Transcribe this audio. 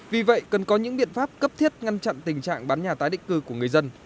vì vậy cần có những biện pháp cấp thiết ngăn chặn tình trạng bán nhà tái định cư của người dân